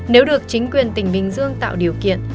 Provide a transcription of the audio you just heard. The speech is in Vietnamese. nếu được chính quyền tỉnh bình dương tạo điều kiện